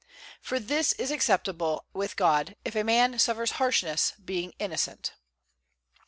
For this is acceptable with God, if a man suffers harshness, being innocent."